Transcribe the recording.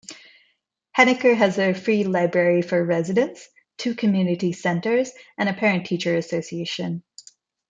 Henniker has a free library for residents, two community centers, and a Parent-Teacher Association.